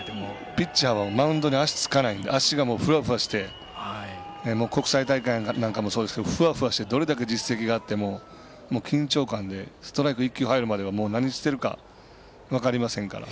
ピッチャーはマウンドに足がつかないので、ふわふわしてもう国際大会なんかもそうですがふわふわしてどれだけ実績があっても緊張感があってストライク１球入るまでは何してるか分かりませんから。